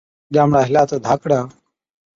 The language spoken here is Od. ڄامڙا هِلا تہ ڌاڪڙا،